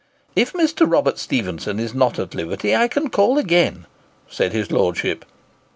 "If Mr. Robert Stephenson is not at liberty, I can call again," said his Lordship.